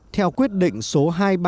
theo quyết định số hai mươi ba